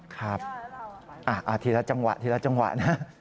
ครับทีละจังหวะนะ